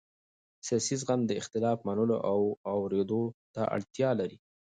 سیاسي زغم د اختلاف منلو او اورېدو ته اړتیا لري